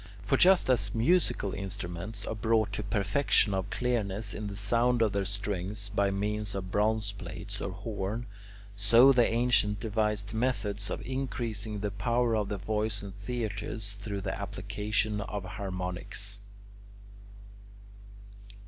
For just as musical instruments are brought to perfection of clearness in the sound of their strings by means of bronze plates or horn [Greek: echeia], so the ancients devised methods of increasing the power of the voice in theatres through the application of harmonics.